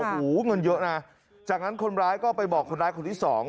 โอ้โหเงินเยอะนะจากนั้นคนร้ายก็ไปบอกคนร้ายคนที่สอง